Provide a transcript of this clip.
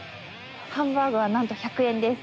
ハンバーグはなんと１００円です。